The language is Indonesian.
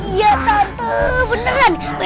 iya tante beneran